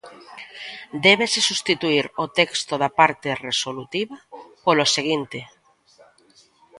Débese substituír o texto da parte resolutiva polo seguinte: